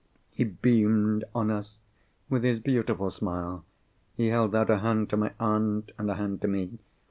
He beamed on us with his beautiful smile; he held out a hand to my aunt, and a hand to me.